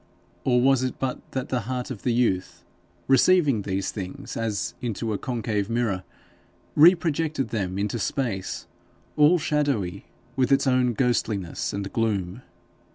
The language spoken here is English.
Or was it but that the heart of the youth, receiving these things as into a concave mirror, reprojected them into space, all shadowy with its own ghostliness and gloom?